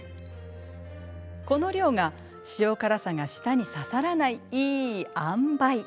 この量が塩辛さが舌に刺さらないいいあんばい。